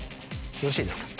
よろしいですか？